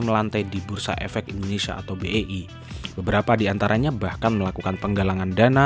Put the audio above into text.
melantai di bursa efek indonesia atau bei beberapa diantaranya bahkan melakukan penggalangan dana